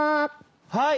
はい！